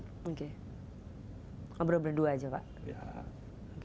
ngobrol berdua saja pak